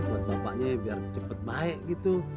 buat bapaknya biar cepat baik gitu